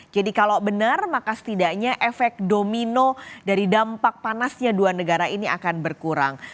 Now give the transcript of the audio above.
jadi kalau benar maka setidaknya efek domino dari dampak panasnya dua negara ini akan berkurang